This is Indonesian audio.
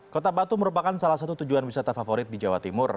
kota batu merupakan salah satu tujuan wisata favorit di jawa timur